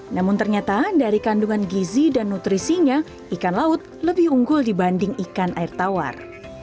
namun ternyata dari kandungan gizi dan nutrisinya ikan laut lebih unggul dibanding ikan air tawar